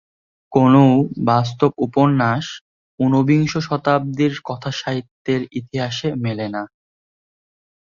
কোনও বাস্তব উপন্যাস উনবিংশ শতাব্দীর কথাসাহিত্যের ইতিহাসে মেলে না।